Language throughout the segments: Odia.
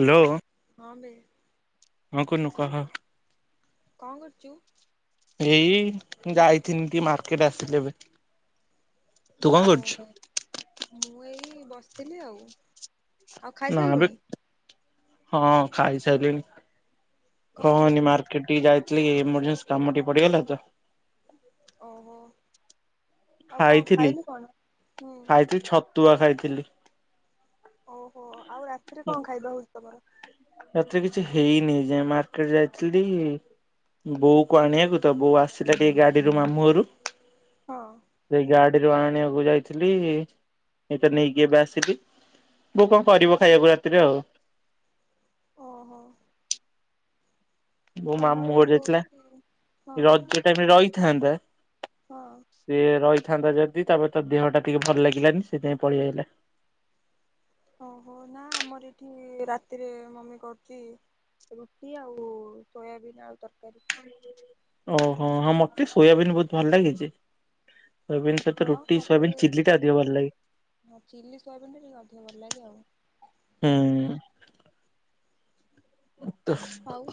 ହାଲୋ। ହଁ ବେ। ହଁ କୁନୁ କହ। କଣ କରୁଚୁ। ଏଇ ଯାଇଥିନି ଟିକେ ମାର୍କେଟ ଆସିଲି ଏବେ। ତୁ କଣ କରୁଛୁ? ଓହୋ ମୁଁ ଏଇ ବସିଥିଲି ଆଉ। ଆଉ ନା ବେ ଖାଇସାରିଲୁଣି? ହଁ ଖାଇସାଇଲିଣି କଣ କହନି ଖାଇଲୁ? ମାର୍କ କେ ଟିକେ ଯାଇଥିଲି ଏମରଜେନ୍ସି କାମ ଟିକେ ପଡିଗଲା ତ। ଓହୋ ଆଉ କଣ ଖାଇଥିଲି ଖାଇଲୁ କଣ? ହୁଁ। ତୁଆ ଖାଇଥିଲି। ଓହୋ ଆଉ ରାତିରେ କଣ ଖାଇବା ହଉଛି ତମର? ରାତିରେ କିଛି ହେଇନି ଯା ମାର୍କେଟ ଯାଇଥିଲି ବୋଉ କୁ ଆଣିବାକୁ ତ ବୋଉ ଆସିଲା ଟିକେ ଗାଡିରୁ ମାମୁଁଘରୁ। ହଁ। ସେଇ ଗାଡିରୁ ଆଣିବାକୁ ଯାଇଥିଲି ଏ ତ ନେଇକି ଏବେ ଆସିଲି। ବୁ କଣ କରିବ ଖାଇବାକୁ ରାତିରେ ଆଉ। ଓହୋ। ବୋ ଆମର ମାମୁଁ ଘର ଏଇ ଯାଇଥିଲା ହଉଛି ହଁ ରଜ ଟାଇମ ରେ ରହିଥାନ୍ତା ହଁ। ସିଏ ରହିଥାନ୍ତା ଯଦି ତାପରେ ତା ଦେହ ଟା ଟିକେ ଭଲ ଲାଗିଲାନି ସେ ଯାଇ ପଲିଆଇଲା। ଓହୋ ନା ଆମର ଏଠି ରାତିରେ ମମି କରୁଛି ରୁଟି ଆଉ ସୋୟାବିନ୍ ଆଳୁ ତରକାରୀ। ଓହୋ ହଁ ମତେ ସୋୟାବିନ୍ ବହୁତ ଭଲ ଲାଗେ ଯେ ସୋୟବିନ୍ ହଁ ମୋତେ ହଁ ଚିଲ୍ଲି ସୟାବିିନ ଟିକେ ଅଧିକ ଭଲ ଲାଗେ ଆଉ। ହୁଁ। ଆଉ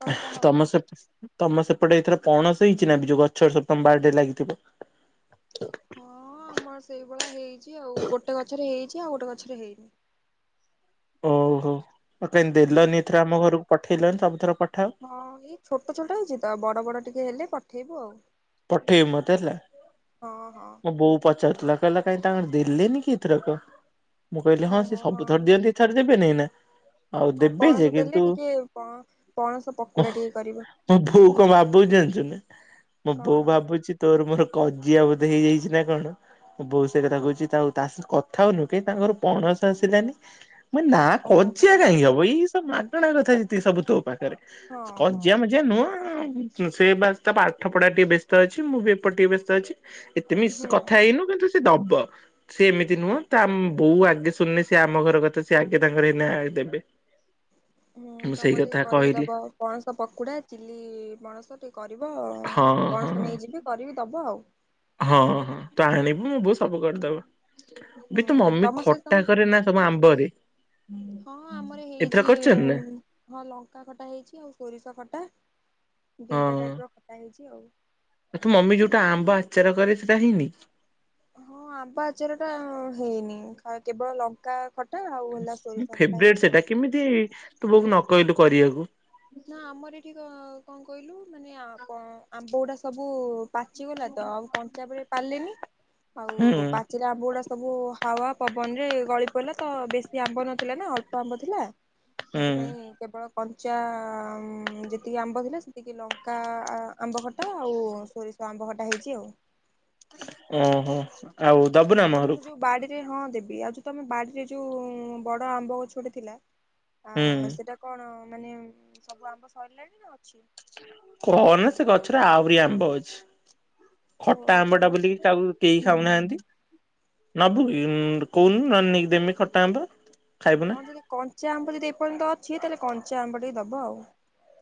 କଣ କହ? ତମେ ସେ ତମ ସେପଟେ ଏଇଥର ପଣସ ହେଇଛିି ନା? ଯୋଉ ଗଛ ରେ ସବୁ ବାଡି ରେ ଲାଗିଥିବ। ହଁ ଆମର ସେଇଭଳିଆ ହେଇଛି ଆଉ ଗୋଟେ ଗଛରେ ହେଇଛି ଆଉ ଗୋଟେ ଗଛରେ ହେଇନି। ଓ ହୋ ଆଉ କାଇଁ ହୁଁ ଦେଲନି ଏଥର ଆମ ଘରକୁ ପଠେଇଲନି ସବୁଥର ପଠାଅ। ହଁ ଏଇ ଛୋଟ ଛୋଟ ହେଇଛି ତ ବଡ ବଡ ଟିକେ ହେଲେ ପଠେଇବୁ ଆଉ। ପଠେଇବୁ ମତେ ହେଲା। ହଁ ହଁ। ବୋଉ ପଚାରୁଥିଲା କହିଲା କାହିଁ ତାଙ୍କର ଦେଲେନି କି ଏ ଥରକ? ମୁଁ କହିଲି ହଁ ସେ ସବୁ ଥର ଦିଅନ୍ତି ଏ ଥର ଦେବେନି ନା। ଆଉ ହଁ ଦେବେ ଯେ ପଣସ କିନ୍ତୁ ଦେଲେ ଟିକେ ପଣସ ପକୁଡା ଟିକେ କରିବ। ମୋ ବୋଉ କଣ ଭାବୁଛି ଯାଞ୍ଚୁ ନା ମୋ ବୋଉ କଣ? ଭାବୁଛି ତୋର ମୋର କଜିଆ ଵୋଲି। ହେଇଯାଇଛି ନା କଣ। ବୋଉ ସେ କଥା କହୁଛି ତା ସ କଥା ହଉନୁ କି କାହି ତାଙ୍କର ପଣସ ଆସିଲାନି। ମେ ନା ଓହୋ କଜିଆ କାହିଁକି ହବ ଏଇ ସବ ମାଗଣା କଥା ଯେତିକି ସବୁ ତୋ ପାଖରେ ହଁ ହଁ କଜିଆ ଯେ ନୁହଁ ସେ ବା ତା ପାଠ ପଢା ଟିକେ ବ୍ୟସ୍ତ ଅଛି ମୁଁ ବି ଏପଟ ଟିକେ ବ୍ୟସ୍ତ ଅଛି। ଏତେ ମ ହୁଁ। କଥା ହେଇନୁ କିନ୍ତୁ ସେ ଦବ। ସେ ଏମିତି ନୁହଁ ତା ବୋଉ ଆଗେ ଶୁଣିଲେ ସେ ଆମ ଘର କଥା ସେ ଆଗେ ତାଙ୍କର ଏଇନା ଦେବେ। ହୁଁ ମୁଁ ସେଇ ତମର କଥା ଟିକେ କରିକି କହିଲି ଦବ। ପଣସ ପକୁଡ଼ା ଚିଲ୍ଲି ପଣସ ଟିକି କରିବ ହଁ ହଁ ପଣସ ନେଇକି ଯିବି କରିକି ଦବ ଆଉ। ହଁ ହଁ ତୁ ଆଣିବୁ ମୁଁ ବ ସବୁ କରିଦବ ହୁଁ ବି ତୁ ମମି ତମର ସେ ତମ ଖଟା କରିରେ ନା ତମ ଆମ୍ବ ରେ। ହଁଁ ଆମର ହେଇଛି କରିଛନ୍ତି ନା ହଁ ଲଙ୍କା ଖଟା ହେଇଛି ଆଉ ସୋରିଷ ଖଟା ଦୁଇଟା ହଁ। ଟାଇପ ର ଖଟା ହେଇଛି ଆଉ। ଆଉ ତୁ ମମି ଯୋଉଟା ଆମ୍ବ ଆଚାର କରେ ସେଇଟା ହେଇନି? ହଁ ଆମ୍ବ ଆଚାର ଟା ହେଇନି କେବଳ ଲମ୍ ଙ୍କାଖଟା ଆଉ ହେଲା ସୋରିଷ ଖଟା ଫେବରେଟ ହେଇଛି ଆଉ। ସେଇଟା କେମିତି ତୁ ବୋଉକୁ ନ କହିଲୁ କରିବାକୁ ନା ଆମର ଏଠି କଣ କହିଲୁ ମାନେ କ ଆମ୍ବ ଗୁଡା ସବୁ ପାଚିଗଲା ତ ଆଉ କଞ୍ଚା ବେଳେ ପାରିଲନି ହୁଁ ଆଉ ପାଚିରେ ଆମ୍ୱ ଗଡ଼ା ସବୁ ସବୁ ହାୱା ପବନରେ ଗଳି ପଡ଼ିଲା ତ ବେଶୀ ଆମ୍ବ ନଥିଲା ନା ଅଳ୍ପ ଆମ୍ବ ଥିଲା ହୁଁ ସେଥିପାଇଁ କେବଳ କଞ୍ଚା ଆ ଯେତିକି ଆମ୍ବ ଥିଲା ସେତିକି ଲଙ୍କା ଆମ୍ବ ଖଟା ଆଉ ସୋରିଷ ଆମ୍ବ ଖଟା ହେଇଛି ଆଉ ଓହୋ ଆଉ ଦବୁ ନା ହଉ ଆମ ତମ ସେ ଘରକୁ? ଯୋଉ ବାଡି ହଁ ଦେବି ଆଉ ଯଉ ତମେ ବାଡିରେ ଯୋଉ ବଡ ଆମ୍ବ ଗଛ ଗୋଟେ ଥିଲା ହୁଁ। ସେଟା କଣ ମାନେ ସବୁ ଆମ୍ବ ସରିଲାଣି ନା ଅଛି। କହନା ସେ ଗଛରେ ଆହୁରି ଆମ୍ବ ଅଛି। ଓ ଖଟା ଆମ୍ବ ଟା ତମର ବୁଲିକି ହୁଁ କାହାକୁ କେହି ହୁଁ ଖାଉନାହାନ୍ତି। ନବୁ କହୁନୁ ନହେଲେନେଇକି ଦେମି ଖଟା ଆମ୍ବ। ଖାଇବୁ ନା। ହଁ ଯଦି କଞ୍ଚା ଆମ୍ବ ଯଦି ଏପର୍ଯ୍ୟନ୍ତ ଅଛି ତାହେଲେ କଞ୍ଚା ଆମ୍ବ ଟିକେ ଦବ ଆଉ।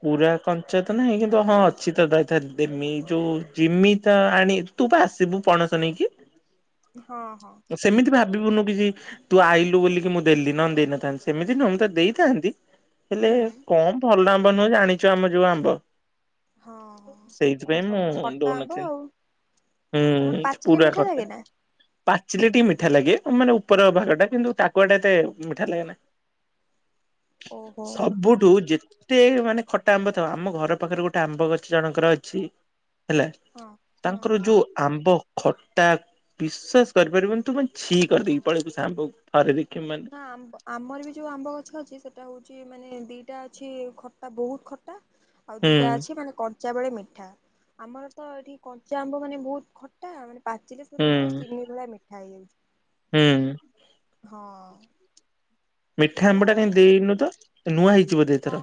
ପୁରା କଞ୍ଚା ତ ନାହିଁ କିନ୍ତୁ ହଁ ଅଛି ତ ଯଥା ଦେମି ଯୋଉ ଜିମି ତ ଆଣି ତୁ ପା ଆସିବୁ ପଣସ ନେଇକି? ହଁ ହଁ। ସେମିତି ଭାବିବୁନୁ କିଛି ତୁ ଆଇଲୁ ବୋଲିକି ମୁଁ ଦେଲି ନହଲେ ଦେଇନଥାନ୍ତି ସେମିତି ନୁହ ମୁଁ ତ ତେଦେଇଥାନ୍ତି ହେଲେ ହୁଁ କଣ ଭଲ ଆମ୍ବ ନୁହଁ ଜାଣିଛ ଆମ ଯୋଉ ଆମ୍ବ ହଁ ହଁ। ତମର ସେଇଥିପାଇଁ ମୁ ସବୁ ତ କଟା ଆମ୍ବ ଦୋଉନଥିଲି। ଆଉ ହୁଁ ତମର ପାଚିଲେ ଏମିତିପୁରା ମିଠା ଲାଗେ ଖଟା। ନା ପାଚିଲେ ଟି ମିଠା ଲାଗେ ମାନେ ଉପର ଭାଗ ଟା କିନ୍ତୁ ଟା କୁଆ ଟା ଏତେ ମିଠା ଲାଗେ ନା। [inaudible] ସବୁଠୁ ଯେ ଯେ ମାନେ ଖଟା ଆମ୍ବ ତ ଆମ ଘର ପାଖରେ ଗୋଟେ ଆମ୍ବ ଗଛ ଜଣଙ୍କର ଅଛି ହେଲା ହଁ ହଁ। ତାଙ୍କର ଯୋଉ ଆମ୍ବ ଖଟା ବିଶେଷ କରିପାରିବନି ତୁ ଛି କରିଦେଇ ପଳେଇିବୁୁ ସେ ଆମ୍ବଥରେ ଦେଖିବୁମାନେ ଆ ମ୍ୱଆମର ବି ଯୋଉ ଆମ୍ବ ଗଛ ଅଛି ସେଟା ହଉଛି ମାନେ ଦିଟା ଅଛି ଖଟା ବହୁତ ଖଟା ଆଉ ହୁଁ ଦିଟା ଅଛି ମାନେ କ କଞ୍ଚା ବେଳେ ମିଠା ଆମର ତ ଏଠି କଞ୍ଚା ଆମ୍ବ ମାନେ ବହୁତ ଖଟା ମାନେ ପାଚିଲେ ତମେ ହୁଁ ଚିନି ଭଳିଆ ମିଠା ହେଇଯାଉଛି। ହୁଁ। ହଁ। ମିଠା ଏଇଆ ଆମ୍ବ ଟା ଆଉ କାଇ ଦେଇନୁ ତ ନୂଆ ହେଇଚି ବୋଧେ ଏଥର ହଁ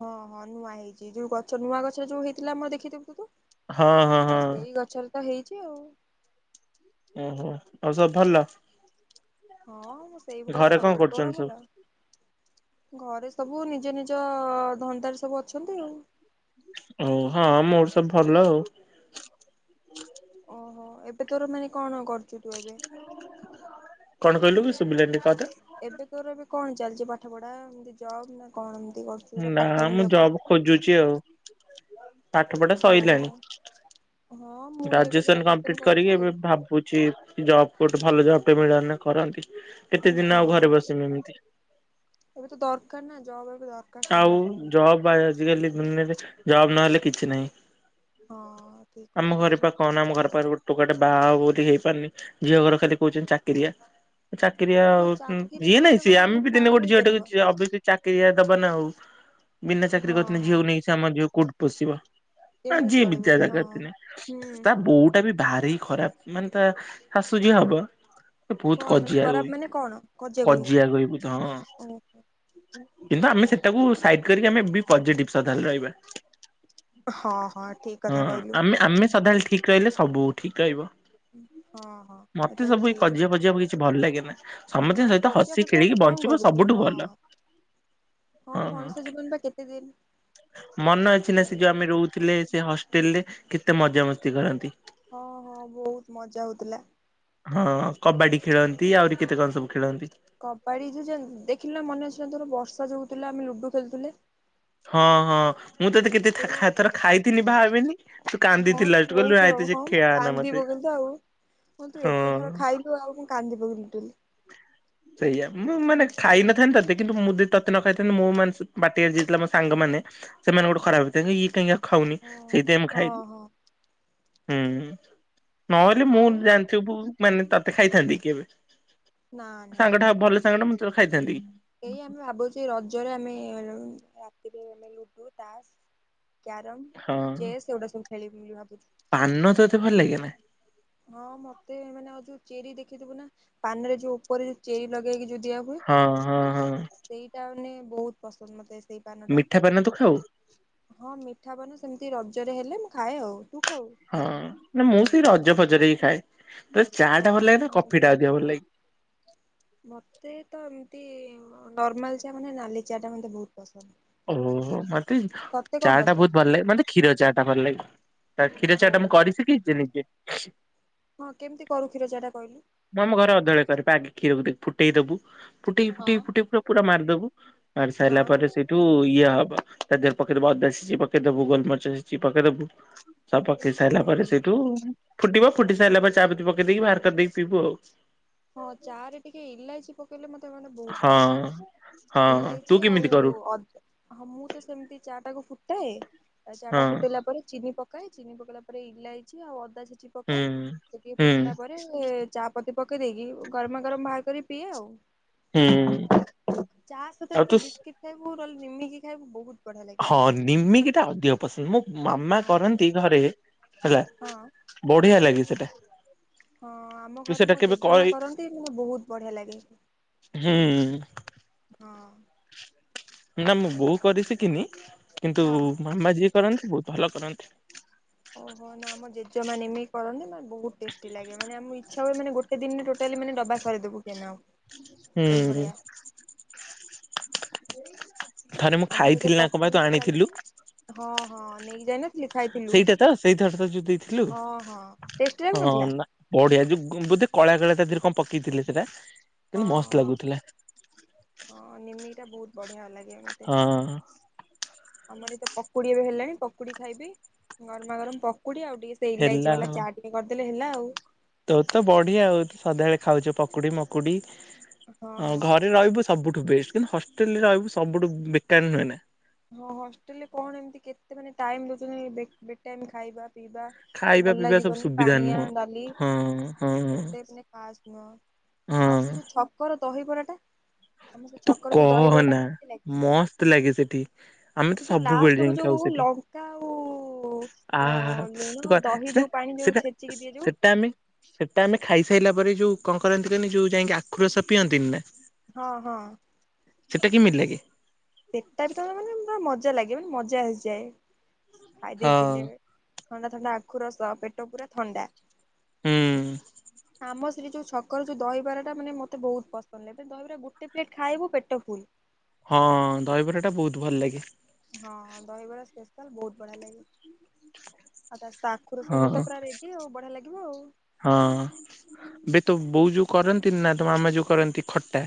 ହଁ ହଁ ନୂଆ ହେଇଛି ଯୋଉ ଗଛ ନୂଆ ଗଛ ଯୋଉ ହେଇଥିଲା ଆମର ଦେଖିଥିଲୁ ତୁ ହଁ ହଁ ଆ ହଁ ସେଇ ଗଛରେ ତ ହେଇଛି ଆଉ। ଓହୋ ଆଉ ସବୁ ଭଲ? ହଁ ମୁଁ ସେଇଭଳିଆ ଘରେ କଣ ଆଉ ତୋର କରୁଛନ୍ତି ସବୁ ଭଲ? ଘରେ ସବୁ ନିଜ ନିଜ ଧନ୍ଦାରେ ସବୁ ଅଛନ୍ତି ଆଉ। ଓ ହଁ ମୋର ସବୁ ଭଲ ଆଉ। ଓହୋ ଏବେ ତୋର ମାନେ କଣ କର କଣ କହିଲୁ ଶୁଭିଲେନି କଥା ଏବେ କର ଏବେ କଣ ଚାଲିଛି ପାଠ ପଢା ଏମତି ଜବ ନା କଣ ଏମତି କରୁଚୁ ନାପାଟାଇମ୍ ଜବ୍ କରୁଛୁ? ଯୋଉ ଝିଅ ହଉ ପାଠ ପଢା ଓହୋ ସଇଲାଣି। ହଁ ମୁଁ ଏବେ ଗ୍ରାଜୁଏସନ କମ୍ପ୍ଲିଟ କରିକି କରୁଛି ଏବେ ଭାବୁଛି ଜବ କୋଟେ ଭଲ ଜବ ଟେ ମିଳାନି କରନ୍ତି କେତେ ହଁ ଦିନ ଆଉ ଘରେ ହଁ। ବସିମି ଏମିତି ଏବେ ତ ଦରକାର ନା ଜବ ଏବେ ଦର ଆଉ ଜବ ବା ଆଜିକାଲି ଦୁନିଆରେ ଜବ ନହେଲେ କିଛି ହଁ ନାହିଁ। ଠିକ କଥା ଆମ ଘରେ କହିଲୁ। ପାଖ କହନା, ଆମ ଘର ପାଖରେ ଗୋଟେ ଟୋକାଟା ବାହା ହବ ବୋଲି ହେଇପାରୁନି ଝିଅ ଘର ଖାଲି କହୁଛନ୍ତି ଚାକିରିଆ। ଚାକିରିଆ ହଁ ଆଉ ଚାକିରି ଯିଏ ନାହିଁ ନହେଲେ ସିଏ କଣ ଆମେ ବି ଦିନେ ବାହାଘର ଗୋଟେ ହେଇପାରିବ ଝିଅ [unintelligible] ଚାକିରି ଦବ ନା ଆଉ ବିନା ଚାକିରି ହଁ କରିଥିଲେ ହଁ ଝିଅକୁ ନେଇକି ଆମ ଝିଅ କୋଉଠି ପୋଷିବ। ହଁ କେମିତି ଯିଏ ଚଳେଇବ ବିଦ୍ଯା ବି ହଁ। ଦରକାରଥିଲେ ହୁଁ ତା ବୋଉ ଟା ବି ଭାରି ଖରାପ ମାନେ ତା ଶାଶୁଯିଏ ହବ। ବହୁତ କଣ ମାନେ ଖରାପ କଜିଆଗୋଇ ମାନେ କଣ କଜିଆ କୋଇ କଜିଆଗୋଇ ତ ହଁ। ଓହୋ କିନ୍ତୁ ଆମେ ସେଟାକୁ ସାଇଟି କରିକି ଆମେ ବି ପଜେଟିଭ ସଦାବେଳେ ରହିବା। ହଁ ହଁ ଠିକ ହଁ କଥା କହିଲୁ। ଆମେ ଆମେ ସଦାବେଳେ ଠିକ ରହିଲେ ସବୁ ଠିକ ରହିବ। ହଁ ହଁ ମତେ ଏଇଟା ବି ସବୁ ଏଇ ଠିକ କଜିଆ ଫଜିିଆକୁ କିଛି ଭଲ ଲାଗେ ନା ନା ସମସ୍ତେ ସହିତ ତ କଜିଆ ହସି ଫଜିଆ ଗୋଟେ ଖେଳିକି କଣ ବଞ୍ଚିବ କରିବୁ ସବୁଠୁ ହଁ। ଭଲ। [inaudible] ହଁ ହଁ ମଣିଷ ଜୀବନ ବା କେତେ ଦିନ ମନ ଅଛି ନା ସେ ଯୋଉ ହଁ ଆମେ ରହୁ ଥିଲେ ସେ ହଷ୍ଟେଲ୍ ରେ କେତେ ମଜାମସ୍ତି କରନ୍ତି। ହଁ ହଁ ବହୁତ୍ ମଜା ହୋଉଥିଲା। ହଁ କବାଡ଼ି ଖେଳନ୍ତି ଆହୁରି କେତେ କଣ ସବୁ ଖେଳନ୍ତି। କବାଡ଼ି ଯେ ଯୋଉ ଦେଖିଲୁ ନା ମନେ ଅଛି ନା ତୋର ବର୍ଷା ଯୋଉ ହୋଉଥିଲା ଆମେ ଲୁଡୁ ଖେଳୁଥିଲେ? ହଁ ହଁ ମୁଁ ତତେ କେତେ ଥା ସେଇ ଖା ଥର ଖାଇଥିନି ଭାବେନି? ତୁ ହଁ କାନ୍ଦିଥିଲୁ ତୁ ଲାଷ୍ଟ କହିଲୁ ବହୁତ୍ ନାଇଁ ଥର ତୁ ସେ ହଁ ମୁଁ ଖିଆନା କାନ୍ଦି ମତେ ପକେଇଲି ତ ଆଉ ହଁ ତୁ ଏତେ ହଁ। ଥର ଖାଇ ତୁ ଆଉ ମୁଁ କାନ୍ଦି ପକେଇଲି ଲିଟେରାଲି। ସେଇଆା ମୁଁ ମାନେ ଖାଇନଥାନ୍ତି ତତେ କିନ୍ତୁ ମୁଁ ଯଦି ତତେ ନ ଖାଇଥାନ୍ତି ମୁଁ ମାନେ ଶୁ ବାଟିଆ ଯିଏ ଥିଲା ମୋ ସାଙ୍ଗମାନେ ସେମାନେ ଗୋଟେ ଖରାପ୍ ଭାବିଥାନ୍ତେ ଇଏ କାହିଁ ୟାକୁ ଖାଉନି। ହଁ ସେଇଥି ପାଇଁ ମୁଁ ହଁ ଖାଇଲି ହଁ ହୁଁ ନହେଲେ ମୁଁ ଆଉ ଜାଣି ଥିବୁ ମାନେ ତତେ ଖାଇଥାନ୍ତି କିବେ? ନା ନା ସାଙ୍ଗଟା ଭଲ ସାଙ୍ଗ ଟା ମୁଁ ତତେ ଖାଇଥାନ୍ତି କି? ଏଇ ଆମେ ଭାବୁଚି ରଜରେ ଆମେ ରାତିରେ ଆମେ ଲୁଡୁ ତାସ୍ କ୍ୟାରମ୍ ହଁ ଚେସ୍ ଏଇଗୁଡ଼ା ସବୁ ଖେଳିବୁ ବୋଲି ଭାବୁଚୁ। ପାନ ତତେ ଭଲ୍ ଲାଗେ ନା? ହଁ ମତେ ମାନେ ଆଉ ଯୋଉ ଚେରି ଦେଖିଥିବୁ ନା ପାନରେ ଯୋଉ ଉପରେ ଯୋଉ ଚେରି ଲଗେଇକି ଯୋଉ ଦିଆ ହୁଏ? ହଁ ହଁ। ହଁ ସେଇଟା ମାନେ ବୋହୁତ୍ ପସନ୍ଦ ମତେ ସେଇ ପାନ ଟା ମିଠା ପାନ ତୁ ଖାଉ? ହଁ ମିଠା ପାନ ସେମିତି ରଜରେ ହେଲେ ମୁଁ ଖାଏ ଆଉ ତୁ ଖାଉ? ହଁ ପାନ? ନା ମୁଁ ସେଇ ରଜ ଫଜରେ ହିଁ ଖାଏ ତତେ ଚା ଟା ଭଲ ଲାଗେ ହଁ ନା ମୁଁ କଫି ବି ଟା ଅଧିକ ରଜ ପାନ ଭଲ୍ ଲାଗେ? ମତେ ତ ଏମିତି ନର୍ମାଲ ଚା ମାନେ ନାଲି ଚା ଟା ମତେ ବହୁତ୍ ପସନ୍ଦ। ଉଁ ହୁଁ ମତେ ତତେ କଣ ଚା ଟା ପସନ୍ଦ? ବହୁତ୍ ଭଲ ଲାଗେ ମାନେ କ୍ଷୀର ଚା ଟା ଭଲ୍ ଲାଗେ। କ୍ଷୀର ଚା ଟା ମୁଁ ଓହୋ କରି ଶଖିଚି ଯେ ନିଜେ। ହଁ କେମିତି କରୁ କ୍ଷୀର ଚା ଟା କହିଲୁ? ମୁଁ ଆମ ଘରେ ସବୁବେଳେ କରେ [unintelligible] କ୍ଷୀରକୁ ଟିକିଏ ଫୁଟେଇ ଦବୁ ଫୁଟେଇ ହଁ। ଫୁଟେଇ ଫୁେଟେଇ ପୁରା ମିରି ଦବୁ। ମାରି ହଁ ସାରିଲା ପରେ ସେ ତୁ ଇଏ ହବ ତା ଦେହରେ ପକେଇଦବୁ ଅଦା ଛେଚିକି ପକେଇଦବୁ ଗୋଲ୍ ମରିଚ ଛେଚିକି ପକେଇ ଦବୁ। ସବୁ ପକେଇ ସାରିଲା ହୁଁ ପରେ ସେଇଠୁ ଫୁଟିବ ଫୁଟି ସାରିଲା ପରେ ଚା ପତି ପକେଇ ଦେଇକି ବାହାର କରିଦେଇ ପିଇବୁ ଆଉ। ହଁ ଚା ରେ ଟିକେ ଇଲାଇଚୀ ପ ପକେଇଲେ ମାନେ ମୋତେ ବହୁତ୍ ହଁ ହଁ ପଶନ୍ଦ। ତୁ ଇଲାଇଚୀ କେମିତି ଆଉ କରୁ ଅଦା। ହଁ ମୁଁ ତ ସେମିତି ଚା ଟା କୁ ଫୁଟାଏ ଚା ଟା ହଁ। ଫୁଟିଲା ପରେ ଚିନି ପକାଏ ଚିନି ପକେଇଲା ପରେ ଇଲାଇଚି ଆଉ ଅଦା ଛେଚିକି ପକାଏ ହୁଁ ସେ ଟିକେ ହୁଁ ଫୁଟିଲା ପରେ ତାପରେ ଚା ପତି ପକେଇ ଦେଇକି ଗରମା ଗରମ୍ ବାହାର କରିକି ପିଏ ଆଉ। ହୁଁ। ଚା ସହିତ ଆଉ ଟିକେ ତୁ ବିସ୍କିଟ ଖାଇବୁ ନହେଲେ ନିମିକି ଖାଇବୁ ବହୁତ୍ ବଢ଼ିଆ ହଁ ଲାଗିବ। ନିମିକି ଟା ଅଧିକ ପସନ୍ଦ ମୋ ମାମା ହଁ। କରନ୍ତି ଘରେ ହେଲା। ହଁ ବଢ଼ିଆ ଲାଗେ ସେଟା। ହଁ ଆମ ତୁ ଘରେ ସେଟା ମୋ କେବେ ଜେଜେମା କହି କରନ୍ତି ମୋ ବହୁତ୍ ବଢ଼ିଆ ଲାଗେ। ହୁଁ ହଁ। ନା ମୋ ବୋଉ କରି ଶିକିନି କିନ୍ତୁ ହଁ। ମାମା ଯିଏ କରନ୍ତି ବୋହୁତ୍ ଭଲ କରନ୍ତି। ଓହୋ ନା ଆମ ଜେଜ ମାନେ ଏମିତି କରନ୍ତି ମାନେ ବୋହୁତ୍ ଟେଷ୍ଟି ଲାଗେ ମାନେ ଆମ ଇଛା ଛୁଆ ବେଳେ ମାନେ ଗୋଟେ ଦିନିରେ ଟୋଟାଲି ମାନେ ଡବା ସରେଇ ଦୋବୁ [unintelligible] ଆଉ। ହୁଁ। ଏଇଭଳିଆ। ଥରେ ମୁଁ ଆମର ଏବେ ଖାଇଥିଲି ନା କଁ ପା ପକୁଡି ତୁ ଏଠି ଚାଲିଛି ଆଣିଥିଲୁ? ହଁ ହଁ ନେଇକି ଯାଇନଥିଲି। ଖାଇଥିଲୁ ସେଇଟା ତ ସେଇଥର ତ ଯୋଉ ଦେଇଥିଲୁ ହଁ ହଁ ଟେଷ୍ଟି ହଁ ଲାଗୁନଥିଲା ନା ବଢ଼ିଆ ଯୋଉ ଗୁମ୍ ବୋଧେ କଳା କଳା ତା ଦେହେରେ କଣ ପକେଇଥିଲେ ସେଟା। କିନ୍ତୁ ମସ୍ତ ହଁଁ ଲାଗୁଥିଲା ହଁ ନିମିକି ଟା ବୋହୁତ ବଢ଼ିଆ ଲାଗେ ମତେ। ହଁ ଆମର ଏଇତ ପକୁଡି ଏବେ ହେଲାଣି ପକୁଡି ଖାଇବି ଗରମା ଗରମ ପକୁଡି ଆଉ ଟିକେ ସେ ହେଲା ଇଲାଇଚି ବାଲା ଆଉ ଚାହା ଟିକେ କରିଦେଲେ ହେଲା ଆଉ। ତୋର ତ ବଢିଆ ଆଉ ସଦାବେଳେ ଖାଉଛୁ ପକୁଡି ମକୁଡି ହଁ ଆଉ ହଁ ଘରେ ରହିବୁ ସବୁଠୁ ବେଷ୍ଟ କିନ୍ତୁ ହଷ୍ଟେଲରେ ରହିବୁ ସବୁଠୁ ବେକାର ନୁହେ ନାଁ। ହଁ ହଷ୍ଟେଲରେ କଣ ଏମତି କେତେ ମାନେ ଟାଇମ ଦୋଉଚନ୍ତି ବେ ବେଟାଇମ ଖାଇବା। ପିଇବା ଖାଇବା ଭଲ ପିଇବା ସବୁ ଲାଗିବନି ସୁବିଧା ପାଣିଆ ନୁହଁ ଡାଲି ହଁ ହଁ ଏତେ ମାନେ ଖାସ ନୁହଁ। ହଁ। ଆଉ ସେ ଯୋଉ ଛକର ଦହିବରାଟା ତମ ସେ ଛକର ଯୋଉ ଦହିବରାଟା କେମିତି ଲାଗେ। ତି ଲାଗେ ସେଠି। ଆମେ ତ ସେ ଯୋଉ ସବୁବୋଳେ ଲାଷ୍ଟକୁ ଯାଇଁ ଯୋଉ ଖାଉ ସେଠି ଲଙ୍କା ଆଉ ଆ ଅ ହା ହା ହା ତୁ ଲୁଣ କ ଦହି ସେଟା ଯୋଉ ପାଣି ଯୋଉ ସେଟା ଛେଚିକି ଦିଏ ଯୋଉ ସେଟା ଆମେ ସେଟା ଆମେ ଖାଇସାଇଲା ପରେ ଯୋଉ କଁ କରନ୍ତି କହିନି ଯୋଉ ଯାଇକି ଆଖୁରସ ପିଅନ୍ତିନା। ହଁ ହଁ। ସେଟା କେମିତି ଲାଗେ। ସେଟାରେ ତ [unintelligible] ମାନେ ପୁରା ମଜା ଲାଗେ ମାନେ ମଜା ଆସିଯାଏ ହଁ ଖାଇଦେଇକି ପିଇଲେ। ଥଣ୍ଡା ଥଣ୍ଡା ଆଖୁ ରସ ପେଟ ପୁରା ଥଣ୍ଡା ହୁଁ ଆମ ସେଠି ଯେଉଁ ଛକର ଯେଉଁ ଦହିବରାଟା ମାନେ ମୋତେ ବୋହୁତ ପସନ୍ଦ ଲାଗେ ମାନେ ଦହିବରା ଗୋଟେ ପ୍ଲେଟ ଖାଇବୁ ପେଟ ଫୁଲ। ହଁ ଦହିବରା ଟା ବୋହୁତ ଭଲ ଲାଗେ। ହଁ ଦହିବରା ସ୍ପେଶାଲ ବୋହୁତ ବଢିଆ ଲାଗେ। ଆଉ ତା ସହିତ ଆଖୁ ରସ ହଁ ହେଲେ ତ ପୁରା ରେଡି ଆଉ ବଢିଆ ଲାଗିବ ଆଉ। ହଁ ବେ ତୋ ବୋଉ ଯୋଉ କରନ୍ତିନି ନା ତୋ ମାମା ଯୋଉ କରନ୍ତି ଖଟା।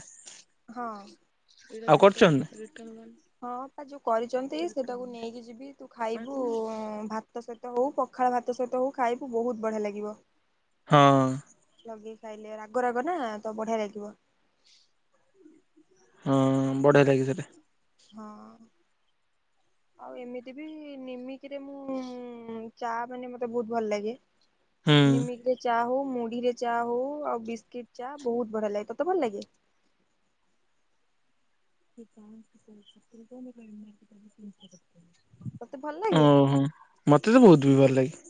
ହଁ। ଆଉ କରିଚନ୍ତି ନା। ହଁ ପା ଯୋଉ କରିଚନ୍ତି ସେଟାକୁ ନେଇକି ଯିବି ତୁ ଖାଇବୁ ଉଁ ଭା ତ ସହିତ ହୋଉ ପଖାଳ ଭାତ ସହିତ ହୋଉ ଖାଇବୁ ବୋହୁତ ବଢିଆ ଲାଗିବ। ହଁ। ଲଗେଇ ଖାଇଲେ ରାଗ ରାଗ ନା ତ ବଢିଆ ଲାଗିବ। ହଁ ବଢିଆ ଲାଗେ ସେଟା। ହଁ। ଆଉ ଏମିତି ବି ନିମିକିରେ ମୁଁ ଚା ମାନେ ମତେ ବୋହୁତ ଭଲ ଲାଗେ। ହୁଁ ନିମିକିରେ ଚା ହୋଉ ମୁଢିରେ ଚା ହୋଉ ଆଉ ବିସ୍କିଟ ଚା ବୋହୁତ ବଢିଆ ଲାଗେ ତତେ ଭଲ ଲାଗେ। [unintelligible] ତତେ ଭଲ ଲାଗେ। ଓହୋ ମତେ ତ ବୋହୁତ ବି ଭଲ ଲାଗେ।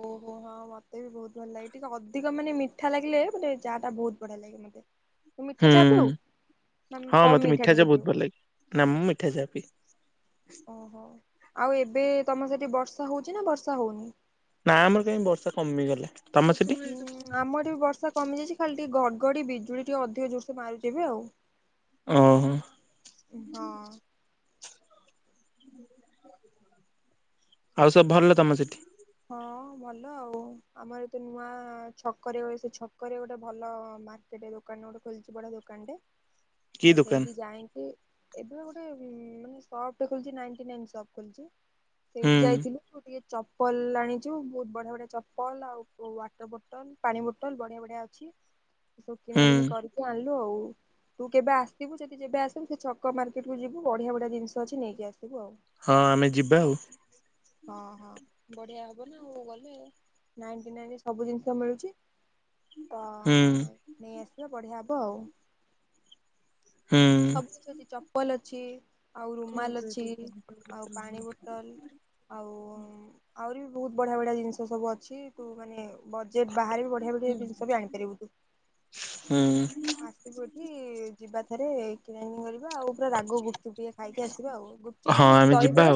ଓହୋ ହଁ ମତେ ବି ବୋହୁତ ଭଲ ଲାଗେ ଟିକେ ଅଧିକ ମାନେ ମିଠା ଲାଗିଲେ ମାନେ ଚାହା ଟା ବୋହୁତ ବଢିଆ ଲାଗେ। ମତେ ତୁ ମିଠା ହୁଁ ଚା ପିଉ ନା ହଁ କମ୍ ମତେ ମିଠା ଚା ଟିକେ ପିଉ। ବହୁତ ଭଲ ଲାଗେ ନା ମୁଁ ମିଠା ଚାହା ପିଏ। ଓହୋ ଆଉ ଏବେ ତମ ସେଠି ବର୍ଷା ହୋଉଚି ନା ବର୍ଷା ହୋଉନି। ନା ଆମର କାଇଁ ବର୍ଷା କମି ଗଲେ। ହୁଁ ଆମଆଡେ ବି ବର୍ଷା କମିଯାଇଛି ଖାଲି ଟିକେ ଘଡ଼ ଘଡ଼ି ବିଜୁଳି ଟିକେ ଅଧିକ ଜୋରସେ ମାରୁଚି ଏବେ ଆଉ। ଓହୋ ହଁ। ଆଉ ସବୁ ଭଲ ତମ ସେଠି। ହଁ ଭଲ ଆଉ ଆମର ଏତ ନୂଆ ଛକରେ ସେ ଛକରେ ଗୋଟେ ଭଲ ମା ର୍କେଟ ଦୋକାନ ଗୋଟେ ଖୋଲିଛି ବଢିଆ ଦୋକାନ ଟେ କି ତ ଦୋକାନ ସେଇଠି ଯାଇଁକି ଏବେ ଗୋଟେ ମାନେ ସପ୍ ଟେ ଖୋଲିଚି ନାଇନ୍ଟି ନାଇନ ସପ୍ ଖୋଲିଛି ହୁଁ ସେଇଠି ଯାଇଥିଲୁ ଉ ଟିକେ ଚପ୍ ପଲ ଆଣିଛୁ ବହୁତ ବଢିଆ ବଢିଆ ଚପଲ ଆଉ ୱାଟର ବୋଟଲ ପାଣି ବୋଟଲ ବଢିଆ ବଢିଆ ଅଛି। ଏସବୁ କିଣା ହୁଁ କିଣି କରିକି ଆଣିଲୁ ଆଉ। ତୁ କେବେ ଆସିବୁ ସେଠି ଯେବେ ଆସିବୁ ସେ ଛକ ମାର୍କେଟକୁ ଯିବୁ ବଢିଆ ବଢିଆ ଜିନିଷ ଅଛି ନେଇକି ଆସିବୁ ଆଉ। ହଁ ଆମେ ଯିବା ଆଉ। ହଁ ହଁ ବଢ଼ିଆ ହବ ନା ଆଉ ଗଲେ। ନାଇନ୍ଟି ନାଇନ ରେ ସବୁ ଜିନିଷ ମିଳୁଛି। ତ ହୁଁ ନେଇଆସିବା ବଢ଼ିଆ ହବ ଆଉ। ହୁଁ ସବୁ କିଛି ଅଛି ଚପଲ ଅଛି। ଆଉ ରୁମାଲ୍ ଅଛି ଆଉ ପାଣି ବୋଟଲ-୍- ଆଉ ଆହୁରି ବି ବହୁତ୍ ବଢିଆ ବଢିଆ ଜିନିଷ ସବୁ ଅଛି ତୁ ମାନେ ବଜେଟ୍ ବାହାରେ ବି ବଢିଆ ବଢିଆ ଜିନିଷ ବି ଆଣିପାରିବୁ ତୁ ହୁଁ ଆସ୍ ସିବୁ ଏଠି ଯିବାଥରେ କିଣା କିିଣି କରିବା ଆଉ। ପୁରା ରାଗ ଗୁପ୍ ଚୁପ୍ ଟିକିଏ ଖାଇକି ଆସିବା ଆଉ ଗୁପ୍ ଚୁପ୍ ହଁ ନହେଲେ ସେ ଆମେ ଯିବା ଦହିବରା